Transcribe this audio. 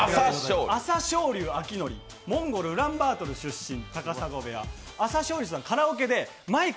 朝青龍、モンゴル・ウランバートル出身、朝青龍さん、カラオケでマイク